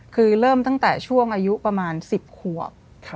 คือเริ่มตั้งแต่ช่วงอายุประมาณ๑๐ขวบ